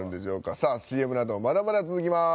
さあＣＭのあともまだまだ続きます。